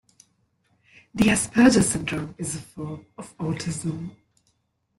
The Asperger syndrome is a form of autism.